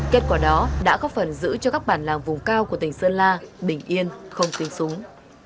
kết quả đó đã góp phần giữ cho các bản làng vùng cao của tỉnh sơn la bình yên không tính súng